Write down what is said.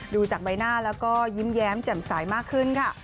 ดูจากใบหน้าแล้วก็ยิ้มแย้มแจ่มใสมากขึ้นค่ะ